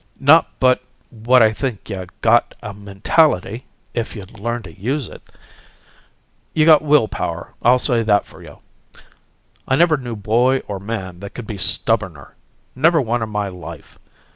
Not but what I think you GOT a mentality, if you'd learn to use it. You got will power, I'll say that for you. I never knew boy or man that could be stubborner never one in my life!